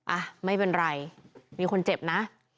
อ่ะไม่เป็นไรมีคนเจ็บนะ